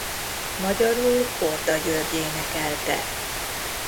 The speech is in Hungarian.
Magyarul Korda György énekelte.